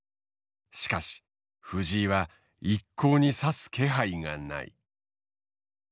しかし藤井は一向に指す気配がない。